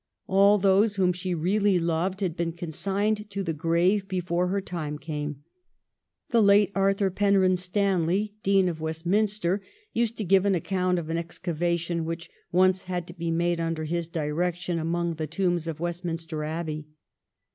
All those whom she really loved had been consigned to the grave before her time came. The late Arthur Penrhyn Stanley, Dean of Westminster, used to give an account of an ex cavation which once had to be made under his direction among the tombs of Westminster Abbey.